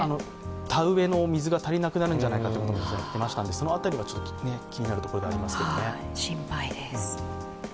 田植えの水が足りなくなるんじゃないかと言ってましたんでその辺りは気になるところではありますけどね心配です。